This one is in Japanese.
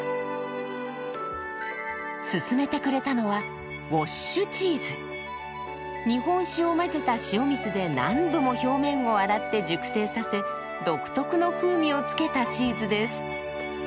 勧めてくれたのは日本酒を混ぜた塩水で何度も表面を洗って熟成させ独特の風味をつけたチーズです。